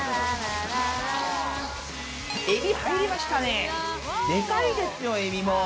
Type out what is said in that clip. エビ入りましたね、でかいですよ、えびも。